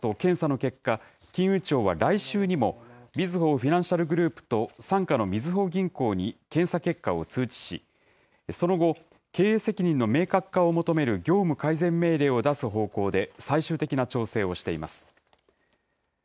関係者によりますと、検査の結果、金融庁は来週にも、みずほフィナンシャルグループと傘下のみずほ銀行に検査結果を通知し、その後、経営責任の明確化を求める業務改善命令を出す方向で、最終的な調整をしています。